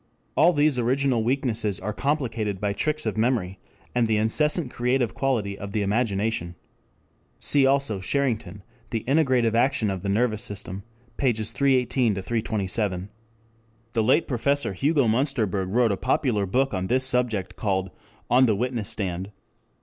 All these original weaknesses are complicated by tricks of memory, and the incessant creative quality of the imagination. Cf. also Sherrington, The Integrative Action of the Nervous System, pp. 318 327. The late Professor Hugo Münsterberg wrote a popular book on this subject called On the Witness Stand.